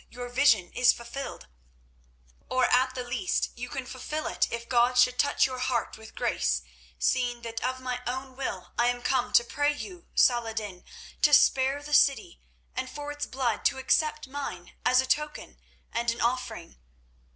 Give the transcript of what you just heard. your vision is fulfilled—or, at the least, you can fulfil it if God should touch your heart with grace, seeing that of my own will I am come to pray you, Salah ed din, to spare the city, and for its blood to accept mine as a token and an offering.